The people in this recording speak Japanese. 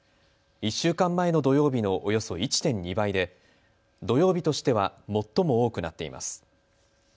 １週間前の土曜日のおよそ１．２倍で土曜日としては最も多くなっています。